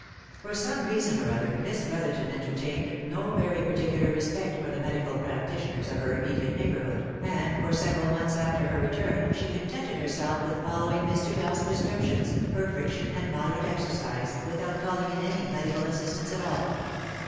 For some reason or other Miss Brotherton entertained no very particular respect for the medical practitioners of her immediate OF MICHAEL ARMSTRONG. 295 neighbourhood, and for several months after her return she contented herself with following: Mr. Bell's prescriptions, for friction and moderate exercise, without calling in any medical assistance at all.